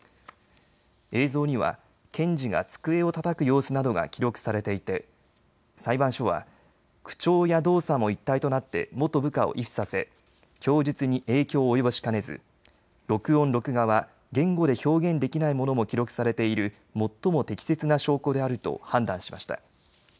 映像には検事が机をたたく様子などが記録されていて裁判所は口調や動作も一体となって元部下を畏怖させ供述に影響を及ぼしかねず録音・録画は言語で表現できないものも記録されている最も適切な証拠であると判断しました。